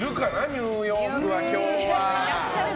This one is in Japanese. ニューヨークは今日は。